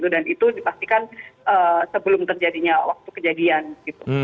dan itu dipastikan sebelum terjadinya waktu kejadian gitu